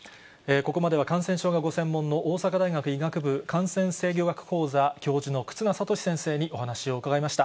ここまでは感染症がご専門の大阪大学医学部感染制御学講座教授の忽那賢志先生にお話を伺いました。